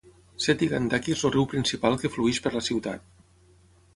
Seti Gandaki és el riu principal que flueix per la ciutat.